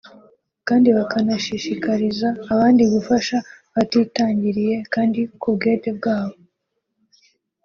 kandi bakanashishikariza abandi gufasha batitangiriye kandi ku bwende bwabo